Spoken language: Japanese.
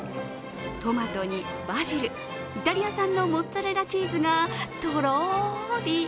トマトにバジル、イタリア産のモッツァレラチーズがとろり。